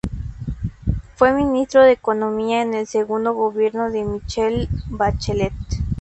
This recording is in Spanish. Fue ministro de Economía en el segundo gobierno de Michelle Bachelet.